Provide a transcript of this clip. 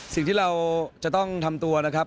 สิ่งที่เราจะต้องทำตัวนะครับ